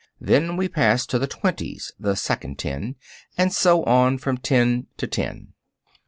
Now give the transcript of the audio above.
Then we pass to the twenties (the second ten), and so on, from ten to ten.